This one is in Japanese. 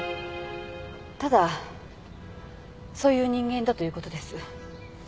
ただそういう人間だという事です。